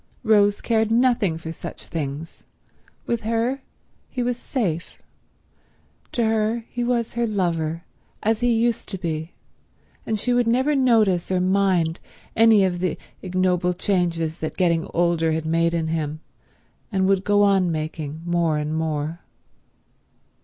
Rose cared nothing for such things. With her he was safe. To her he was her lover, as he used to be; and she would never notice or mind any of the ignoble changes that getting older had made in him and would go on making more and more.